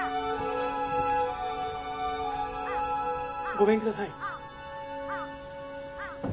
ごめんください。